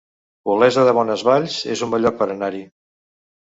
Olesa de Bonesvalls es un bon lloc per anar-hi